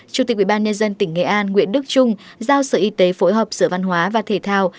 chủ tịch ubnd tỉnh nghệ an nguyễn đức trung giao sở y tế phối hợp sở văn hóa và thể thao